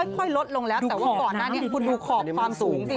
ค่อยลดลงแล้วแต่ว่าก่อนหน้านี้คุณดูขอบความสูงสิ